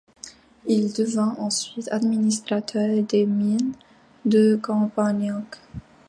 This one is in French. Il devient ensuite administrateur des Mines de Campagnac.